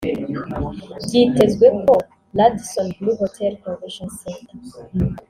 Byitezwe ko Radisson Blu Hotel& Convention Center